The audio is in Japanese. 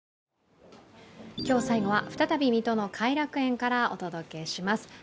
今日最後は再び水戸の偕楽園からお届けします。